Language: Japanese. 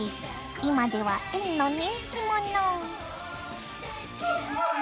今では園の人気者！